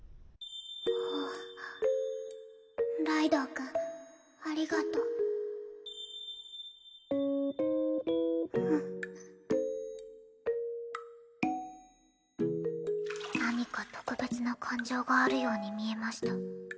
あっライドウ君ありがとう何か特別な感情があるように見えました。